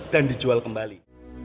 dan dijual kembali